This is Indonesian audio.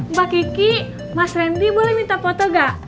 mbak kiki mas randy boleh minta foto gak